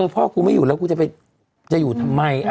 พ่อกูไม่อยู่แล้วกูจะอยู่ทำไม